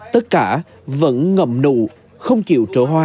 tất cả vẫn ngậm nụ không chịu trở hoa